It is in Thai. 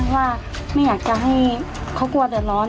ว่าไม่อยากจะให้เขากลัวเดือดร้อน